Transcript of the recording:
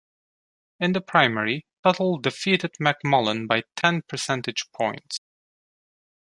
In the primary, Tuttle defeated McMullen by ten percentage points.